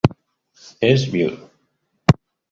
Es viudo.